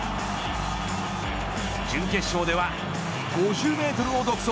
準決勝では５０メートルを独走。